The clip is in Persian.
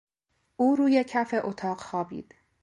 او روی کف اتاق خوابید.